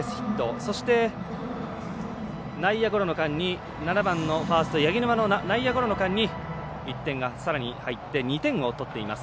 そして、７番のファーストの内野ゴロの間に１点がさらに入って２点を取っています。